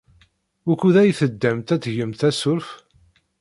Wukud ay teddamt ad tgemt asurf?